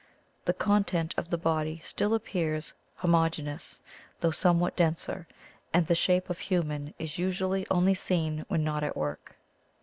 The content of the body still appears homogeneous, though somewhat denser, and the shape of 'human' is usually only seen when not at work.